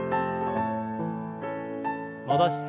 戻して。